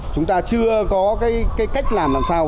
chúng ta chưa có cái cách làm làm sao